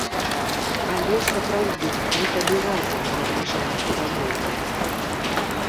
Але, сапраўды, мы тады разам набліжалі перамогу.